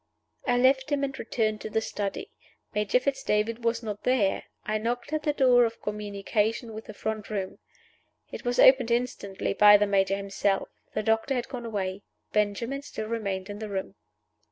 I left him, and returned to the study. Major Fitz David was not there. I knocked at the door of communication with the front room. It was opened instantly by the Major himself. The doctor had gone away. Benjamin still remained in the room.